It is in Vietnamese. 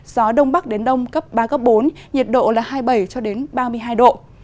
gió đông bắc đến đông cấp ba bốn nhiệt độ là hai mươi bảy ba mươi hai độ